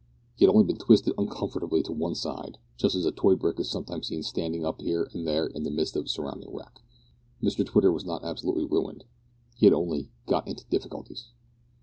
He had only been twisted uncomfortably to one side, just as a toy brick is sometimes seen standing up here and there in the midst of surrounding wreck. Mr Twitter was not absolutely ruined. He had only "got into difficulties."